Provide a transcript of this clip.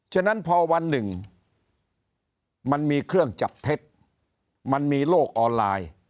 ฉะนั้นพอวันหนึ่งมันมีเครื่องจับเท็จมันมีโลกออนไลน์